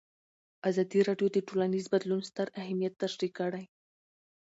ازادي راډیو د ټولنیز بدلون ستر اهميت تشریح کړی.